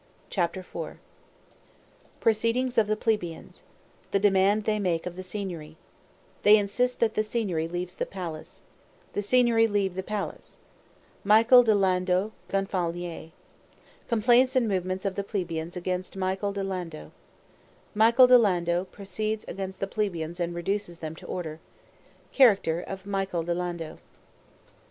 CHAPTER IV Proceedings of the plebeians The demand they make of the Signory They insist that the Signory leave the palace The Signory leave the palace Michael di Lando Gonfalonier Complaints and movements of the plebeians against Michael di Lando Michael di Lando proceeds against the plebeians and reduces them to order Character of Michael di Lando.